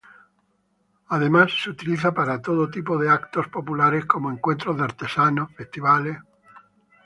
Además se utiliza para todo tipo de eventos populares como encuentros de artesanos, festivales.